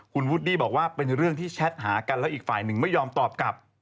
คุณวูดดี้บอกว่าเป็นเรื่องที่แชทหากันแล้วอีกฝ่ายหนึ่งไม่ยอมตอบกลับ